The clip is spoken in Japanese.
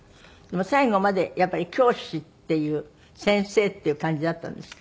でも最後までやっぱり教師っていう先生っていう感じだったんですって？